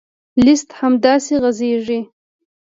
لیست همداسې غځېږي.